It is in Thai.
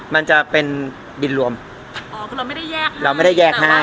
มันจะเป็นบินรวมเราไม่ได้แยกให้